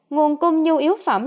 nguồn cung nhu yếu phẩm